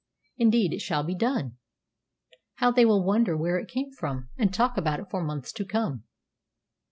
Indeed, it shall be done. How they will wonder where it came from, and talk about it for months to come!"